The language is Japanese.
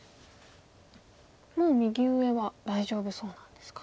もう右上は大丈夫そうなんですか。